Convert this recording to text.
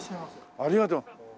ありがとう。